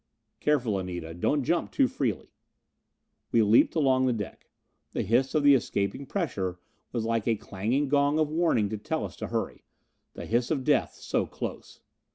"Careful, Anita. Don't jump too freely." We leaped along the deck. The hiss of the escaping pressure was like a clanging gong of warning to tell us to hurry. The hiss of death so close!